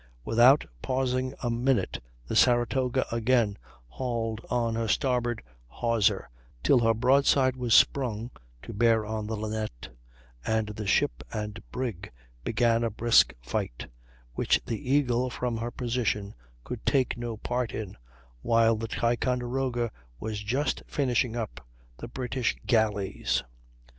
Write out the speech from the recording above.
Without pausing a minute the Saratoga again hauled on her starboard hawser till her broadside was sprung to bear on the Linnet, and the ship and brig began a brisk fight, which the Eagle from her position could take no part in, while the Ticonderoga was just finishing up the British galleys.